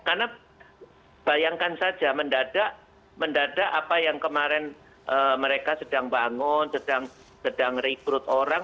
karena bayangkan saja mendadak apa yang kemarin mereka sedang bangun sedang rekrut orang